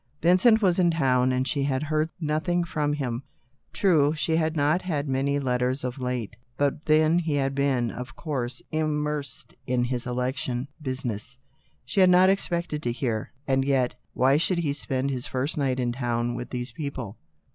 Vin cent was in town, and she had heard nothing from him ! True, she had not had many let ters of late, but then he had been of course immersed in his election business. She had not expected to hear. And yet, why should he spend his first night in town with these people